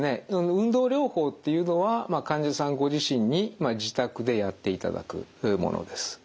運動療法っていうのは患者さんご自身に自宅でやっていただくものです。